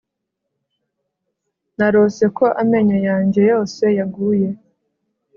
Narose ko amenyo yanjye yose yaguye